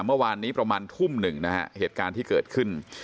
เมื่อวานนี้ประมาณทุ่มหนึ่งนะฮะเหตุการณ์ที่เกิดขึ้น